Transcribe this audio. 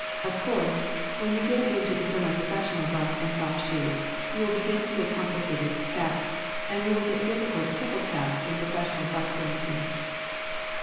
Of course, when you get into the semi professional "buck" and "soft shoe" you will begin to get complicated "taps," and you will get difficult triple taps in professional "buck" dancing.